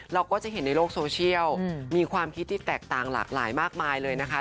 เราก็จะเห็นในโลกโซเชียลมีความคิดที่แตกต่างหลากหลายมากมายเลยนะคะ